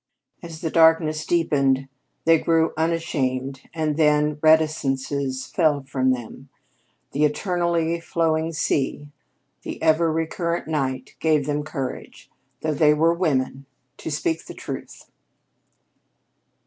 As the darkness deepened, they grew unashamed and then reticences fell from them. The eternally flowing sea, the ever recurrent night gave them courage, though they were women, to speak the truth.